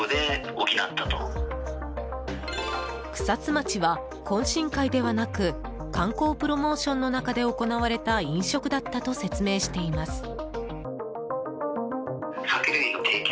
草津町は、懇親会ではなく観光プロモーションの中で行われた飲食だったと説明しています。